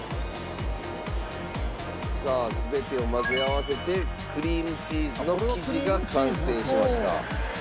さあ全てを混ぜ合わせてクリームチーズの生地が完成しました。